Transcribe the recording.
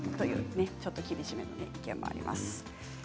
ちょっと厳しめの意見もあります。